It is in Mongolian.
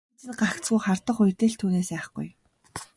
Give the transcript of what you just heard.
Ээж нь гагцхүү хардах үедээ л түүнээс айхгүй.